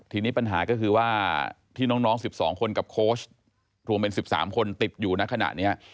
ทีนี้ปัญหาก็คือว่าที่น้อง๑๒คนกับโค้ชรวมเป็น๑๓คนติดอยู่ในขณะนี้